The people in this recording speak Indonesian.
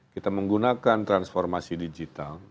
kita menggunakan transformasi digital